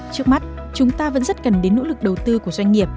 trước mắt chúng ta vẫn rất cần đến nỗ lực đầu tư của doanh nghiệp